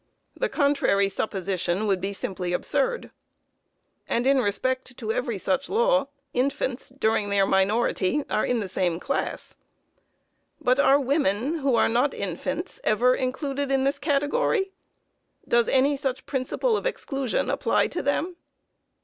The contrary supposition would be simply absurd. And, in respect to every such law, infants, during their minority, are in the same class. But are women, who are not infants, ever included in this category? Does any such principle of exclusion apply to them?